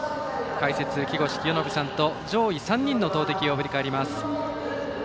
解説、木越清信さんと上位３人の投てきを振り返ります。